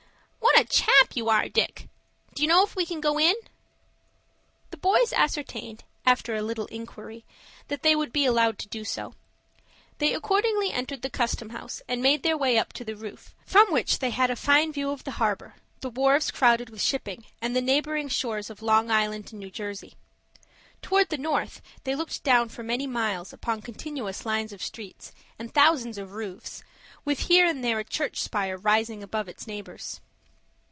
"What a chap you are, Dick! Do you know if we can go in?" The boys ascertained, after a little inquiry, that they would be allowed to do so. They accordingly entered the Custom House and made their way up to the roof, from which they had a fine view of the harbor, the wharves crowded with shipping, and the neighboring shores of Long Island and New Jersey. Towards the north they looked down for many miles upon continuous lines of streets, and thousands of roofs, with here and there a church spire rising above its neighbors.